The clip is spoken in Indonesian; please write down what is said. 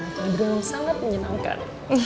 kalian berdua memang sangat menyenangkan